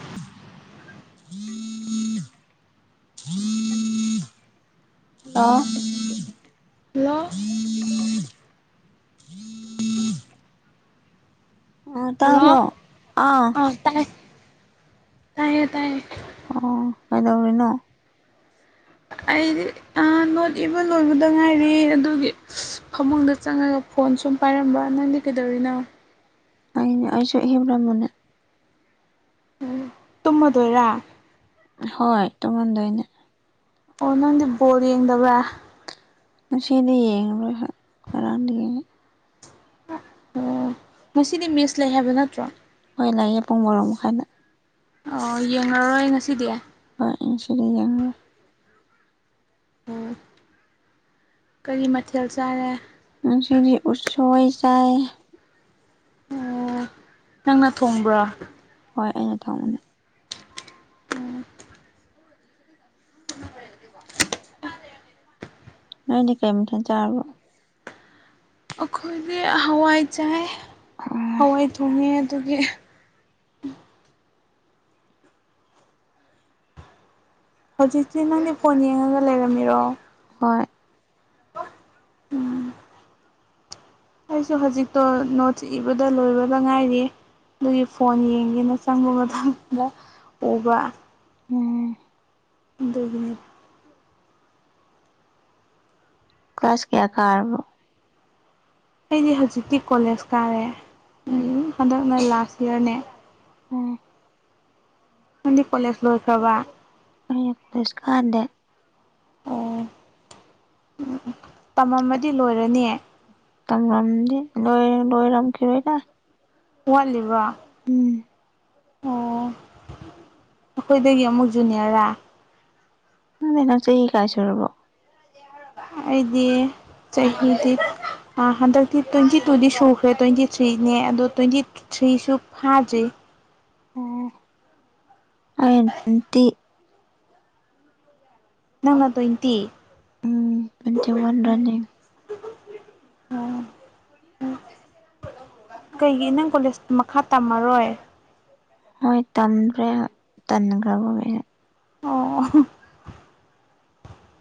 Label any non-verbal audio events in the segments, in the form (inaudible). (unintelligible) ꯑ ꯍꯂꯣ ꯑ ꯍꯜꯂꯣ ꯇꯥꯕ꯭ꯔꯣ ꯑꯥ ꯑ ꯇꯥꯏꯌꯦ ꯇꯥꯏꯌꯦ ꯇꯥꯏꯌꯦ ꯑꯣ ꯀꯩꯗꯧꯔꯤꯅꯣ ꯑꯩꯗꯤ ꯅꯣꯠ ꯏꯕ ꯂꯣꯏꯕꯗ ꯉꯥꯏꯔꯦ ꯑꯗꯨꯒꯤ ꯐꯃꯨꯡꯗ ꯆꯪꯉꯒ ꯐꯣꯟ ꯁꯨꯝ ꯄꯥꯏꯔꯝꯕ ꯅꯪꯗꯤ ꯀꯩꯗꯧꯔꯤꯅꯣ ꯑꯩꯅ ꯑꯩꯁꯨ ꯏꯕ꯭ꯔꯃꯣꯅꯦ ꯇꯨꯝꯝꯗꯣꯏꯔ ꯍꯣꯏ ꯇꯨꯝꯝꯗꯣꯅꯦ ꯑꯣ ꯅꯪꯗꯤ ꯕꯣꯜ ꯌꯦꯡꯗꯕ꯭ꯔꯥ ꯉꯁꯤꯗꯤ ꯌꯦꯡꯉꯔꯣꯏ ꯍ ꯉꯔꯥꯡꯗꯤ ꯌꯦꯡꯉꯦ ꯃꯁꯤꯗꯤ ꯃꯤꯁ ꯂꯩ ꯍꯥꯏꯕ ꯅꯠꯇ꯭ꯔꯣ ꯍꯣꯏ ꯂꯩꯌꯦ ꯄꯨꯡ ꯕꯥꯔꯣ ꯃꯈꯥꯏꯗ ꯑꯣ ꯌꯦꯡꯔꯣꯏ ꯉꯁꯤꯗꯤ ꯍꯣꯏ ꯑꯩ ꯉꯁꯤꯗꯤ ꯌꯦꯡꯉꯔꯣꯏ ꯎꯝ ꯀꯔꯤ ꯃꯊꯦꯜ ꯆꯥꯔꯦ ꯗꯤ ꯎꯠꯁꯣꯏ ꯆꯥꯏ ꯑꯣ ꯅꯪꯅ ꯊꯣꯡꯕ꯭ꯔꯥ ꯍꯣꯏ ꯑꯩꯅ ꯊꯣꯡꯕꯅꯦ ꯅꯪꯗꯤ ꯀꯩ ꯃꯊꯦꯜ ꯆꯔꯕꯣ ꯗꯤ ꯍꯋꯥꯏ ꯆꯥꯏ ꯍꯋꯥꯏ ꯊꯣꯡꯉꯦ ꯑꯗꯨꯒꯤ ꯍꯧꯖꯤꯛꯁꯤ ꯅꯪꯗꯤ ꯐꯣꯟ ꯌꯦꯡꯉꯒ ꯂꯩꯔꯝꯃꯤꯔꯣ ꯍꯣꯏ ꯎꯝ ꯑꯩꯁꯨ ꯍꯧꯖꯤꯛꯇꯣ ꯅꯣꯠꯁ ꯏꯕꯗ ꯂꯣꯏꯕꯗ ꯉꯥꯏꯔꯤ ꯑꯗꯨꯒꯤ ꯐꯣꯟ ꯌꯦꯡꯒꯦꯅ (unintelligible) ꯎꯕ ꯎꯝ ꯑꯗꯨꯒꯤꯅꯦ ꯀ꯭ꯂꯥꯁ ꯀꯌꯥ ꯀꯥꯔꯕꯣ ꯑꯩꯗꯤ ꯍꯧꯖꯤꯛꯇꯤ ꯀꯣꯂꯦꯖ ꯀꯥꯔꯦ ꯍꯟꯗꯛꯅ ꯂꯥꯁ ꯏꯌꯥꯔꯅꯦ ꯎꯝ ꯅꯪꯗꯤꯀꯣꯂꯦꯖ ꯂꯣꯏꯈ꯭ꯔꯕ ꯑꯩ ꯀꯣꯂꯦꯖ ꯀꯥꯗꯦ ꯑꯣ ꯎꯝ ꯇꯝꯃꯝꯃꯗꯤ ꯂꯣꯏꯔꯅꯤ ꯇꯝꯔꯝꯗꯤ ꯂꯣꯏꯔ ꯂꯣꯏꯔꯝꯈꯤꯔꯣꯏꯗ ꯋꯥꯠꯂꯤ ꯕꯔ꯭ ꯎꯝ ꯑꯣ ꯑꯩꯈꯣꯏꯗꯒꯤ ꯑꯃꯨꯛ ꯖꯨꯅꯤꯌꯔꯥ ꯈꯪꯗꯦ ꯅꯪ ꯆꯍꯤ ꯀꯥꯏ ꯁꯨꯔꯕꯣ ꯑꯩꯗꯤ ꯆꯍꯤꯗꯤ ꯍꯟꯗꯛꯇꯤ ꯇꯣꯏꯟꯇꯤ ꯇꯨꯗꯤ ꯁꯨꯈ꯭ꯔꯦ ꯇꯣꯏꯟꯇꯤ ꯊ꯭ꯔꯤꯅꯦ ꯑꯗꯣ ꯇꯣꯏꯟꯇꯤ ꯊ꯭ꯔꯤꯁꯨꯨ ꯐꯥꯗꯔ꯭ꯤ ꯑꯣ ꯑꯩꯗꯤ ꯅꯪꯅ ꯇꯣꯏꯟꯇꯤ ꯇꯣꯏꯟꯇꯤꯋꯥꯟ ꯔꯟꯅꯤꯡ ꯀꯩꯒꯤ ꯅꯪ ꯀꯣꯂꯦꯖ ꯃꯈꯥ ꯇꯝꯃꯔꯣꯏ ꯍꯣꯏ ꯇꯟꯈꯔ꯭ꯦ ꯇꯟꯈ꯭ꯔꯕꯒꯤ ꯑꯣ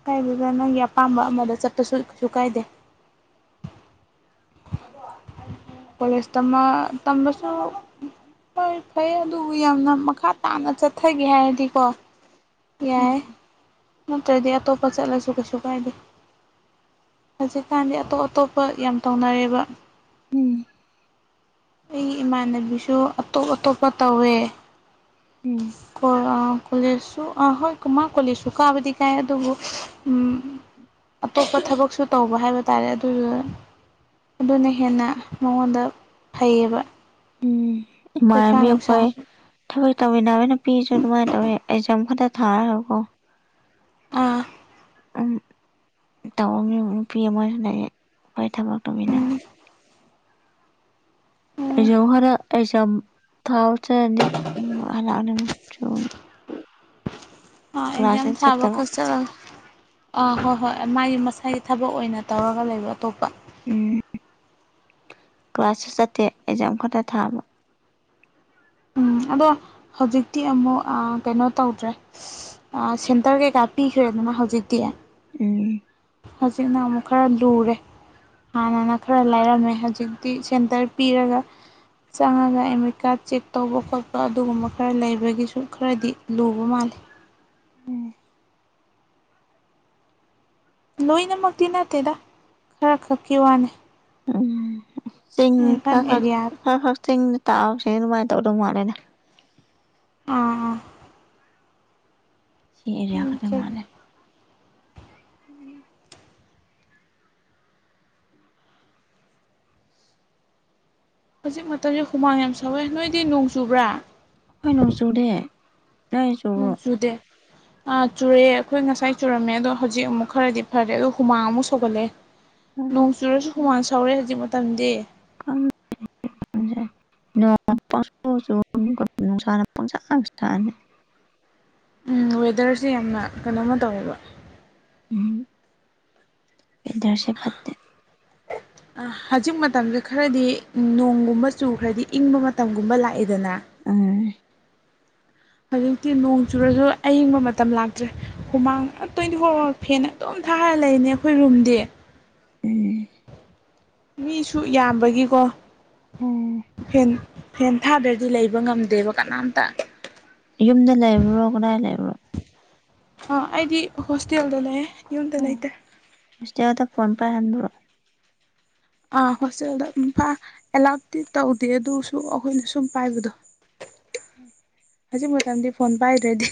ꯀꯥꯏꯗꯦꯗ ꯅꯪꯒꯤ ꯑꯄꯥꯝꯕ ꯑꯃꯗ ꯆꯠꯄꯁꯨ ꯀꯩꯁꯨ ꯀꯥꯏꯗꯦ ꯀꯣꯂꯦꯖ ꯇꯝꯃ ꯇꯝꯕꯁꯨ ꯍꯣꯏ ꯐꯩꯌꯦ ꯑꯗꯨꯕꯨ ꯌꯥꯝꯅ ꯃꯈꯥ ꯇꯥꯅ ꯆꯠꯊꯒꯦ ꯍꯥꯏꯔꯗꯤꯀꯣ ꯎꯝ ꯌꯥꯏ ꯅꯠꯇ꯭ꯔꯗꯤ ꯑꯇꯣꯞꯄ ꯆꯠꯂꯁꯨ ꯀꯩꯁꯨ ꯀꯥꯏꯗꯦ ꯍꯧꯖꯤꯛꯀꯥꯟꯗꯤ ꯑꯇꯣꯞ ꯑꯇꯣꯞꯄ ꯌꯥꯝ ꯇꯧꯅꯔꯦꯕ ꯎꯝ ꯑꯩꯒꯤ ꯏꯃꯥꯟꯅꯕꯤꯁꯨ ꯑꯇꯣꯞ ꯑꯇꯣꯞꯄ ꯇꯧꯋꯦ ꯎꯝ ꯀꯣꯂꯦꯖꯁꯨ ꯑꯥ ꯍꯣꯏ ꯀꯨꯃꯥ ꯀꯣꯂꯦꯖꯁꯨ ꯀꯥꯕꯗꯤ ꯀꯥꯏ ꯑꯗꯨꯕꯨ ꯑꯇꯣꯞꯄ ꯊꯕꯛꯁꯨ ꯇꯧꯕ ꯍꯥꯏꯕ ꯇꯥꯔꯦ ꯑꯗꯨꯗꯨ ꯑꯗꯨꯅ ꯍꯦꯟꯅ ꯃꯉꯣꯟꯗ ꯐꯩꯌꯦꯕ ꯎꯝ ꯄꯩꯁꯥ ꯏꯃꯥꯟꯅꯕꯤ ꯑꯈꯣꯏ ꯅꯨꯡꯁꯥꯁꯨ ꯊꯕꯛ ꯇꯧꯃꯤꯟꯅꯕꯅ ꯅꯨꯄꯤꯁꯨ ꯑꯗꯨꯃꯥꯏꯅ ꯇꯧꯋꯦ ꯑꯦꯛꯖꯥꯝ ꯈꯛꯇ ꯊꯥꯔꯒꯀꯣ ꯑꯥ ꯇꯧꯔꯝꯃꯤꯕ ꯅꯨꯄꯤ ꯃꯣꯏ ꯍꯜꯂꯛꯑꯦ ꯑꯩꯈꯣꯏ ꯊꯕꯛ ꯇꯧꯃꯤꯟꯅꯕ ꯎꯝ ꯑꯩꯖꯨ ꯍꯔ ꯑꯦꯛ ꯖꯥꯝ ꯊꯥꯕ ꯆꯠꯔꯅꯤ (unintelligible) ꯑ ꯑꯦꯛꯖꯥꯝ ꯀ꯭ꯂꯥꯁꯁꯨ ꯊꯥꯕ ꯆꯠꯇꯕ (unintelligible) ꯑꯥ ꯍꯣꯏ ꯍꯣꯏ ꯃꯥꯏ ꯃꯁꯥꯏ ꯊꯕꯛ ꯑꯣꯏꯅ ꯇꯧꯔꯒ ꯂꯩꯕ ꯑꯇꯣꯞꯄ ꯎꯝ ꯀ꯭ꯂꯥꯁꯁꯨ ꯆꯠꯇꯦ ꯑꯦꯛꯖꯥꯝ ꯈꯇ ꯊꯥꯕ ꯎꯝ ꯑꯗꯣ ꯍꯧꯖꯤꯛꯇꯤ ꯑꯃꯨꯛ ꯀꯩꯅꯣ ꯇꯧꯗ꯭ꯔꯦ ꯑꯥ ꯁꯦꯟꯇꯔ ꯀꯩꯀꯥ ꯄꯤꯈ꯭ꯔꯦꯗꯅ ꯍꯧꯖꯤꯛꯇꯤ ꯎꯝ ꯍꯧꯖꯤꯛꯅ ꯑꯃꯨꯛ ꯈꯔ ꯂꯨꯔꯦ ꯍꯥꯟꯅꯅ ꯈꯔ ꯂꯥꯏꯔꯝꯃꯦ ꯍꯧꯖꯤꯛꯇꯤ ꯁꯦꯟꯇꯔ ꯄꯤꯔꯒ ꯆꯪꯉꯒ ꯑꯦꯗꯃꯤꯠ ꯀꯥꯔꯗ ꯆꯦꯛ ꯇꯧꯕ ꯈꯣꯠꯄ ꯑꯗꯨꯒꯨꯝꯕ ꯈꯔ ꯂꯩꯕꯒꯤꯁꯨ ꯈꯔꯗꯤ ꯂꯨꯕ ꯃꯥꯜꯂꯤ ꯂꯣꯏꯅꯃꯛꯇꯤ ꯅꯠꯇꯦꯗ ꯈꯔ ꯈꯛꯀꯤ ꯋꯥꯅꯦ ꯎꯝ ꯆꯤꯡ ꯈꯔ ꯈꯛ ꯑꯦꯔꯤꯌꯥꯗ ꯈꯔ ꯈꯛ ꯆꯤꯡ ꯇꯥꯕꯁꯤꯡ ꯑꯗꯨꯃꯥꯏ ꯇꯧꯗꯧ ꯃꯥꯜꯂꯦꯅꯦ ꯑꯥ ꯁꯤ ꯑꯦꯔꯤꯌꯥ ꯈꯇ ꯃꯥꯥꯜꯂꯦ ꯍꯧꯖꯤꯛ ꯃꯇꯝꯁꯦ ꯍꯨꯃꯥꯡ ꯌꯥꯝ ꯁꯥꯎꯋꯦ ꯅꯣꯏꯗꯤ ꯅꯣꯡ ꯆꯨꯕ꯭ꯔꯥ ꯍꯣꯏ ꯅꯣꯡꯆꯨꯗꯦ ꯃꯁꯨꯨꯗꯦ ꯥ ꯆꯨꯔꯛꯑꯦ ꯑꯩꯈꯣꯏ ꯉꯁꯥꯏ ꯆꯨꯔꯝꯃꯦ ꯑꯗꯣ ꯍꯧꯖꯤꯛ ꯑꯃꯨꯛ ꯈꯔꯗꯤ ꯐꯔꯦ ꯑꯗꯣ ꯍꯨꯃꯥꯡ ꯑꯃꯨꯛ ꯁꯧꯒꯠꯂꯑꯦ ꯅꯣꯡ ꯆꯨꯔꯁꯨ ꯍꯨꯃꯥꯟ ꯁꯧꯔꯦ ꯍꯧꯖꯤꯛ ꯃꯇꯝꯗꯤ ꯑꯪ ꯅꯨꯡꯁꯁꯨ ꯁꯅꯤ ꯋꯦꯗꯔꯁꯦ ꯌꯥꯝꯅ ꯀꯩꯅꯣꯃ ꯇꯧꯋꯦꯕ ꯎꯝ ꯐꯗꯔꯁꯦ ꯐꯠꯠꯇꯦ (inaudible) ꯍꯧꯖꯤꯛ ꯃꯇꯝꯁꯦ ꯈꯔꯗꯤ ꯅꯣꯡꯒꯨꯝꯕ ꯆꯨ ꯈꯔꯗꯤ ꯏꯪꯕ ꯃꯇꯝꯒꯨꯝꯕ ꯂꯥꯛꯑꯦꯗꯅ ꯑ ꯍꯧꯖꯤꯛꯇꯤ ꯅꯣꯡ ꯆꯨꯔꯁꯨ ꯑꯌꯤꯡꯕ ꯃꯇꯝ ꯂꯥꯛꯇ꯭ꯔꯦ ꯍꯨꯃꯥꯡ ꯇ꯭ꯋꯦꯟꯇꯤ ꯐꯣꯔ ꯑꯋꯥꯔ ꯐꯦꯟ ꯑꯗꯨꯝ ꯊꯥꯈꯔ ꯂꯩꯅꯦ ꯑꯩꯈꯣꯏ ꯔꯨꯝꯗꯤ ꯑ ꯃꯤꯁꯨ ꯌꯥꯝꯕꯒꯤꯀꯣ ꯎꯝ ꯐꯦꯟ ꯍꯦꯟꯊꯥꯗ꯭ꯔꯗꯤ ꯂꯩꯕ ꯉꯝꯗꯦꯕ ꯀꯅꯥꯝꯇ ꯌꯨꯝꯗ ꯂꯩꯕ꯭ꯔꯣ ꯀꯗꯥꯏ ꯂꯩꯕ꯭ꯔꯣ ꯑ ꯑꯩꯗꯤ ꯍꯣꯁꯇꯦꯜꯗ ꯂꯩꯌꯦꯦ ꯌꯨꯝꯗ ꯂꯩꯇ꯭ꯔꯦ ꯇꯗ ꯐꯣꯟ ꯄꯔ ꯍꯟꯕ꯭ꯔꯣ ꯑꯥ ꯍꯣꯁꯇꯦꯜꯗꯝ ꯐ ꯑꯦꯂꯥꯎꯇꯤ ꯇꯧꯗꯦ ꯑꯗꯨꯁꯨ ꯑꯩꯈꯣꯏꯅ ꯁꯨꯝ ꯄꯥꯏꯕꯗꯣ ꯍꯧꯖꯤꯛ ꯃꯇꯝꯗꯤ ꯐꯣꯟ ꯄꯥꯏꯗ꯭ꯔꯗꯤ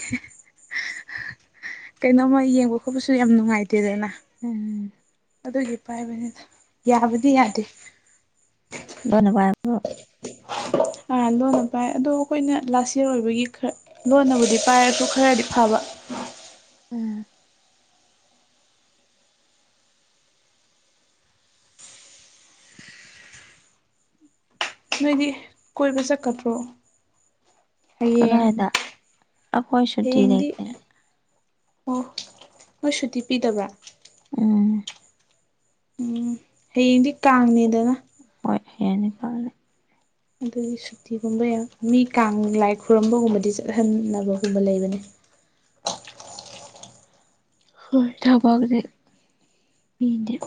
ꯀꯩꯅꯣꯝꯃ ꯌꯦꯡꯕ ꯈꯣꯠꯄꯁꯨ ꯌꯥꯝ ꯅꯨꯡꯉꯥꯏꯇꯦꯗꯅ ꯎꯝ ꯑꯗꯨꯒꯤ ꯄꯥꯏꯕꯅꯤꯗ ꯌꯥꯕꯗꯤ ꯌꯥꯗꯦ ꯕꯥꯏ ꯑꯥ ꯂꯣꯟꯅ ꯄꯥꯏ ꯑꯗꯣ ꯑꯩꯈꯣꯏꯅ ꯂꯥꯁ ꯌꯔ ꯑꯣꯏꯕꯒꯤ ꯈꯔ ꯂꯣꯟꯅꯕꯨꯗꯤ ꯄꯥꯏꯔꯁꯨ ꯈꯔꯗꯤ ꯐꯕ ꯎꯝ ꯅꯣꯏꯗꯤ ꯀꯣꯏꯕ ꯆꯠꯀꯗ꯭ꯔꯣ ꯌꯦꯡ ꯀꯗꯥꯏꯗ ꯑꯩꯈꯣꯏ ꯁꯨꯇꯤ ꯍꯌꯦꯡꯗꯤ ꯂꯩꯇꯦ ꯑꯣ ꯍꯣꯏ ꯁꯨꯇꯤ ꯄꯤꯗꯕ꯭ꯔꯥ ꯑ ꯎꯝ ꯍꯌꯦꯡꯗꯤ ꯀꯥꯡꯅꯦꯗꯅ ꯍꯣꯏ ꯍꯦꯅꯤꯀ ꯑꯗꯒꯤ ꯁꯨꯇꯤꯒꯨꯝꯕ ꯌꯥꯝ ꯃꯤ ꯀꯥꯡ ꯂꯥꯏ ꯈꯨꯔꯨꯝꯕꯒꯨꯝꯕꯗꯤ ꯆꯠꯍꯟꯅꯕꯒꯨꯝꯕ ꯂꯩꯕꯅꯤ ꯍꯣꯏ ꯊꯕꯛꯁꯦ ꯃꯤꯅꯦꯦ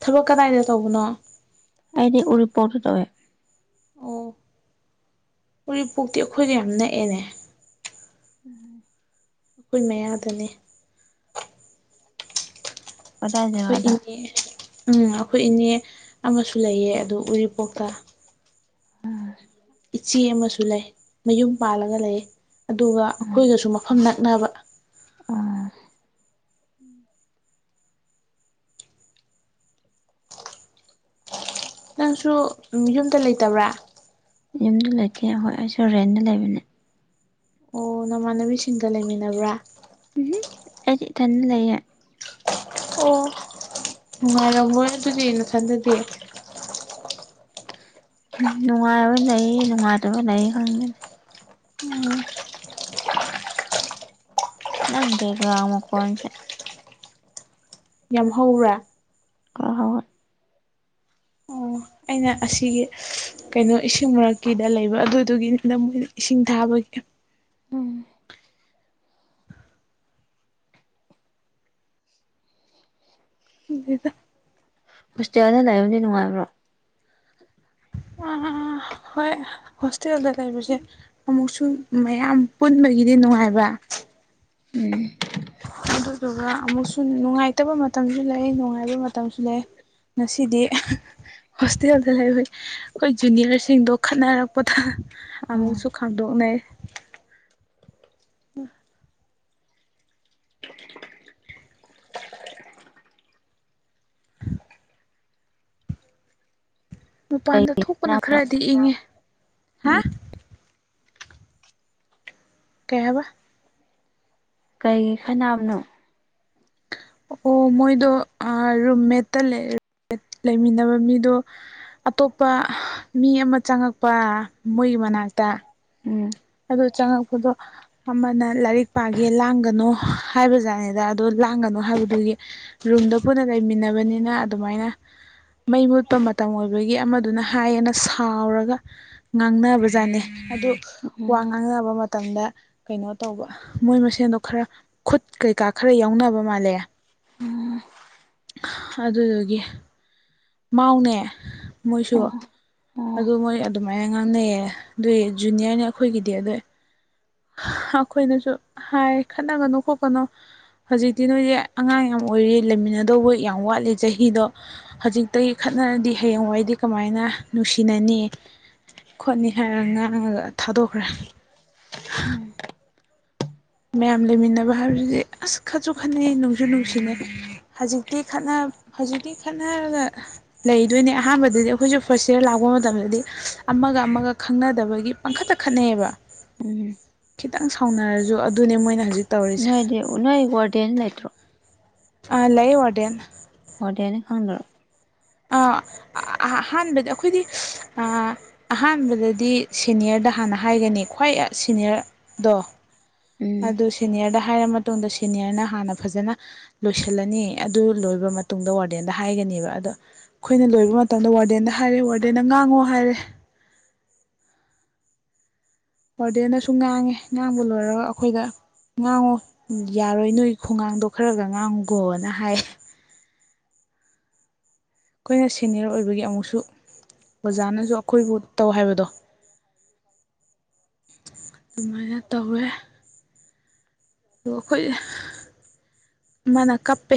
ꯊꯕꯛ ꯀꯗꯥꯏꯗ ꯇꯧꯕꯅꯣ ꯑꯩꯗꯤ ꯎꯔꯤꯄꯣꯔꯠꯇ ꯇꯧꯋꯦ ꯑꯣ ꯎꯔꯤꯄꯣꯛꯇꯤ ꯑꯩꯈꯣꯏꯗ ꯌꯥꯝ ꯅꯛꯑꯦꯅꯦ ꯎꯝ ꯑꯩꯈꯣꯏ ꯃꯌꯥꯗꯅꯦ ꯀꯗꯥꯏ ꯑꯩꯈꯣꯏ ꯖꯒꯥꯗ ꯏꯅꯦ ꯎꯝ ꯑꯩꯈꯣꯏ ꯏꯅꯦ ꯑꯃꯁꯨ ꯂꯩꯌꯦ ꯑꯗꯨ ꯎꯔꯤꯄꯣꯛꯇ ꯎꯝ ꯆꯦ ꯑꯃꯁꯨ ꯂꯩ ꯃꯌꯨꯝ ꯄꯥꯜꯂꯒ ꯂꯩ ꯑꯗꯨꯒ ꯑꯩꯈꯣꯏꯒꯁꯨ ꯃꯐꯝ ꯅꯛꯅꯕ ꯑ ꯅꯪꯁꯨ ꯌꯨꯝꯗ ꯂꯩꯇꯕ꯭ꯔꯥ ꯌꯨꯝꯗ ꯂꯩꯇꯦ ꯑꯩ ꯍꯣꯏ ꯑꯩꯁꯨ ꯔꯦꯟꯗ ꯂꯩꯕꯅꯦ ꯑꯣ ꯅꯃꯥꯟꯅꯕꯤꯁꯤꯡꯒ ꯂꯩꯃꯤꯟꯅꯕ꯭ꯔꯥ ꯎꯝ ꯍꯥꯏ ꯈ ꯂꯩꯦ ꯑꯣ ꯅꯨꯡꯉꯥꯏꯔꯝꯃꯣꯏꯅ ꯑꯗꯨꯗꯤ ꯅꯊꯟꯗꯗꯤ ꯎ ꯅꯨꯡꯉꯥꯏꯕ ꯂꯩꯌꯦ ꯅꯨꯡꯉꯥꯏꯇꯕ ꯂꯩ ꯈꯪꯗ ꯎꯝ ꯅꯪ ꯀꯦꯒ꯭ꯔꯥ ꯃ ꯀꯣꯟꯁꯦ꯫ ꯌꯥꯝ ꯍꯧꯔꯥ (unintelligible) ꯑꯣ ꯑꯩꯅ ꯑꯁꯤꯒꯤ ꯀꯩꯅꯣ ꯏꯁꯤꯡ ꯃꯔꯛꯀꯤꯗ ꯂꯩꯕ ꯑꯗꯨꯗꯨꯒꯤꯅꯤꯅ ꯃꯣꯏꯅ ꯏꯁꯤꯡ ꯊꯥꯕꯒꯤ ꯎꯝ ꯈꯪꯗꯦꯗꯥ ꯫ ꯍꯣꯁꯇꯦꯜꯅ ꯂꯩꯔꯝꯗꯤ ꯅꯨꯡꯉꯥꯏꯕ꯭ꯔꯣ (unintelligible) ꯍꯣꯏ ꯍꯣꯁꯇꯦꯜꯗ ꯂꯩꯕꯁꯦ ꯑꯃꯨꯛꯁꯨ ꯃꯌꯥꯝ ꯄꯨꯟꯕꯒꯤꯗꯤ ꯅꯨꯡꯉꯥꯏꯕ ꯎꯝ ꯑꯗꯨꯗꯨꯒ ꯑꯃꯨꯛꯁꯨ ꯅꯨꯡꯉꯥꯏꯇꯕ ꯃꯇꯝꯁꯨ ꯂꯩ ꯅꯨꯡꯉꯥꯏꯕ ꯃꯇꯝꯁꯨ ꯂꯩ꯫ ꯉꯁꯤꯗꯤ ꯍꯣꯁꯇꯦꯜꯗ ꯂꯩꯕꯩ ꯑꯩꯈꯣꯏ ꯖꯨꯅꯤꯌꯔꯁꯤꯡꯗꯣ ꯈꯠꯅꯔꯛꯄꯗ ꯑꯣ ꯑꯃꯃꯨꯛꯁꯨ ꯈꯥꯃꯗꯣꯛꯅꯩ ꯫ ꯃꯄꯥꯟꯗ ꯀꯩꯒꯤ ꯊꯣꯛꯄꯅ ꯈꯠꯅꯕ ꯈꯔꯗꯤ ꯏꯪꯉꯦ ꯍꯥ ꯎꯝ ꯀꯩ ꯍꯥꯏꯕꯥ ꯀꯩꯒꯤ ꯈꯅꯥꯝꯅꯣ ꯑꯣ ꯃꯣꯏꯗꯣ ꯔꯨꯝꯃꯦꯠꯇ ꯂꯩꯃꯤꯟꯅꯕ ꯃꯤꯗꯣ ꯑꯇꯣꯞꯄ ꯃꯤ ꯑꯃ ꯆꯪꯉꯛꯄ ꯃꯣꯏꯒꯤ ꯃꯅꯥꯛꯇ ꯎꯝ ꯑꯗꯣ ꯆꯉꯛꯄꯗꯣ ꯑꯃꯅ ꯂꯥꯏꯔꯤꯛ ꯄꯥꯒꯦ ꯂꯥꯡꯒꯅꯣ ꯍꯥꯏꯕꯖꯥꯠꯅꯤꯗ ꯑꯗꯣ ꯂꯥꯡꯒꯅꯨ ꯍꯥꯏꯕꯗꯨꯒꯤ ꯔꯨꯝꯗ ꯄꯨꯟꯅ ꯂꯩꯃꯤꯟꯅꯕꯅꯤꯅ ꯑꯗꯨꯃꯥꯏꯅ ꯃꯩ ꯃꯨꯠꯄ ꯃꯇꯝ ꯑꯣꯏꯕꯒꯤ ꯑꯃꯗꯨꯅ ꯍꯥꯏꯌꯦꯅ ꯁꯥꯎꯔꯒ ꯉꯥꯡꯅꯕꯖꯥꯠꯅꯤ ꯑꯗꯨ ꯋꯥ ꯎꯝ ꯉꯥꯡꯅꯕ ꯃꯇꯝꯗ ꯀꯩꯅꯣ ꯇꯧꯕ ꯃꯣꯏ ꯃꯁꯦꯟꯗꯣ ꯈꯔ ꯈꯨꯠ ꯀꯩꯀꯥ ꯈꯔ ꯌꯥꯎꯅꯕ ꯃꯥꯜꯂꯦ꯫ ꯎꯝ ꯑꯗꯨꯗꯨꯒꯤ꯫ ꯃꯥꯎꯅꯦ ꯃꯣꯏꯁꯨ꯫ ꯑꯣ ꯑꯣ ꯑꯗꯨ ꯃꯣꯏ ꯑꯗꯨꯃꯥꯏꯅ ꯉꯥꯡꯅꯩꯌꯦ ꯑꯗꯨꯏ ꯖꯨꯅꯤꯌꯔꯅꯦ ꯑꯩꯈꯣꯏꯒꯤꯗꯤ ꯑꯩꯈꯣꯏꯅꯁꯨ ꯍꯥꯏ ꯈꯠꯅꯒꯅꯨ ꯈꯣꯠꯀꯅꯨ ꯍꯧꯖꯤꯛꯇꯤ ꯅꯣꯏꯁꯦ ꯑꯉꯥꯡ ꯌꯥꯝ ꯑꯣꯏꯔꯤ ꯂꯩꯃꯤꯟꯅꯗꯧꯕ ꯌꯥꯝ ꯋꯥꯠꯂꯤ ꯆꯍꯤꯗꯣ ꯍꯧꯖꯤꯛꯇꯇꯩ ꯈꯠꯅꯔꯗꯤ ꯍꯌꯦꯡꯋꯥꯏꯗꯤ ꯀꯃꯥꯏꯅ ꯅꯨꯡꯁꯤꯅꯅꯤ꯫ ꯈꯣꯠꯅꯤ ꯍꯥꯏꯔꯒ ꯉꯥꯡꯉꯒ ꯊꯥꯗꯣꯛꯈ꯭ꯔꯦ꯫ ꯎꯝ (inaudible) ꯃꯌꯥꯝ ꯂꯩꯃꯤꯟꯅꯕ ꯍꯥꯏꯕꯁꯤꯗꯤ ꯑꯁ ꯈꯠꯁꯨ ꯈꯠꯅꯩ ꯅꯨꯡꯁꯨ ꯅꯨꯡꯁꯤꯅꯦ꯫ ꯍꯧꯖꯤꯛꯇꯤ ꯍꯧꯖꯤꯛꯇꯤ ꯈꯠꯅꯔꯒ ꯂꯩꯗꯣꯏꯅꯦ ꯑꯍꯥꯟꯕꯗꯗꯤ ꯑꯩꯈꯣꯏꯁꯨ ꯐꯥꯔꯁ ꯏꯌꯥꯔ ꯂꯥꯛꯄ ꯃꯇꯝꯗꯗꯤ ꯑꯃꯒ ꯑꯃꯒ ꯈꯪꯅꯗꯕꯒꯤ ꯄꯡꯈꯠ ꯇ ꯈꯠꯅꯩꯑꯌꯦꯕ ꯎꯝ ꯈꯤꯇꯪ ꯁꯥꯎꯅꯔꯁꯨ ꯑꯗꯨꯅꯦ ꯃꯣꯏꯅ ꯍꯧꯖꯤꯛ ꯇꯧꯔꯤꯁꯦ ꯅꯣꯏꯗꯤ ꯅꯣꯏ ꯋꯥꯔꯗꯦꯟ ꯂꯩꯇ꯭ꯔꯣ? ꯑ ꯂꯩ ꯑꯣꯗꯦꯟ ꯋꯔꯗꯦꯟꯗꯤ ꯈꯪꯗꯔꯣ? ꯑ ꯑꯍꯥꯟꯕꯗꯤ ꯑꯩꯈꯣꯏꯗꯤ ꯑꯍꯥꯟꯕꯗꯗꯤ ꯁꯦꯅꯤꯌꯔꯗꯍꯥꯟꯅ ꯍꯥꯏꯒꯅꯤ ꯈ꯭ꯋꯥꯏ ꯁꯤꯦꯅꯤꯌꯔꯗꯣ ꯎꯝ ꯑꯗꯨ ꯁꯦꯅꯤꯌꯔ ꯍ ꯍꯥꯏꯔ ꯃꯇꯨꯡꯗ ꯁꯦꯅꯤꯌꯔꯅ ꯍꯥꯟꯅ ꯐꯖꯅ ꯂꯣꯏꯁꯤꯜꯂꯅꯤ ꯑꯗꯨ ꯂꯣꯏꯕ ꯃꯇꯨꯡꯗ ꯋꯥꯔꯗꯦꯟꯗ ꯍꯥꯏꯒꯅꯦꯕ ꯑꯗꯣ ꯑꯩꯈꯣꯏꯅ ꯂꯣꯏꯕ ꯃꯇꯝꯗ ꯋꯥꯔꯗꯦꯟꯗ ꯍꯥꯏꯔꯦ ꯋꯥꯔꯗ‌ꯦꯟꯅ ꯉꯥꯡꯉꯣ ꯍꯥꯏꯔꯦ ꯋꯔꯗꯦꯟꯗꯁꯨ ꯉꯥꯡꯉꯦ ꯉꯥꯡꯕ ꯂꯣꯏꯔꯒ ꯑꯩꯈꯣꯏꯗ ꯉꯥꯡꯉꯣ ꯌꯥꯔꯣꯏ ꯅꯣꯏ ꯈꯨꯉꯥꯡꯗꯣ ꯈꯔꯒ ꯉꯥꯡꯉꯨꯒꯣꯅ ꯍꯥꯏꯌꯦ ꯑꯩꯈꯣꯏꯅ ꯁꯦꯅꯤꯌꯔ ꯑꯣꯏꯕꯒꯤ ꯑꯃꯨꯛꯁꯨ ꯑꯣꯖꯥꯅꯁꯨ ꯑꯩꯈꯣꯏꯕꯨ ꯇꯧ ꯍꯥꯏꯕꯗꯣ ꯑꯗꯨꯃꯥꯏꯅ ꯇꯧꯋꯦ ꯑꯗꯨ ꯑꯩꯈꯣꯏ ꯃꯥꯅ ꯀꯞꯄꯦ